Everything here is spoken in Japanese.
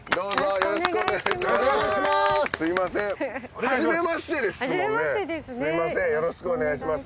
よろしくお願いします。